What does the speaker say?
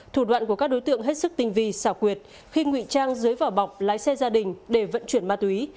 thủ đoạn của các đối tượng hết sức tinh vi xảo quyệt khi ngụy trang dưới vỏ bọc lái xe gia đình để vận chuyển ma túy